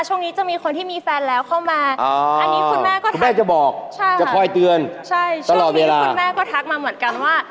อ๋อคุณแม่ก็จะบอกอยากคอยเตือนตลอดเวลา